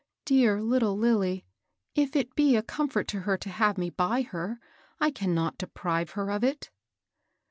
Dear little Lilly I if it be a comfort to her to have me by her, I cannot deprive her of it.'